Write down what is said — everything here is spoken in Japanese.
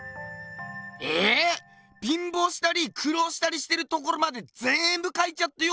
ええ⁉びんぼうしたりくろうしたりしてるところまでぜんぶ描いちゃってよ